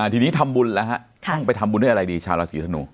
ทีนี้ทำบุญแล้วฮะต้องไปทำบุญด้วยอะไรดีชาวราศีธนู